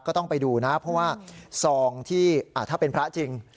ก็ต้องไปดูนะเพราะว่าซองที่ถ้าเป็นพระจริง